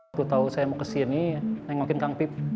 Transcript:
aku tau saya mau kesini nengokin kang pip